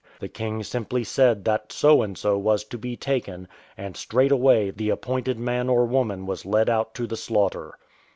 The king simply said that So and so was to be taken, and straightway the appointed man or woman was led out to the slaughter.